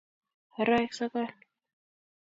oroek sogol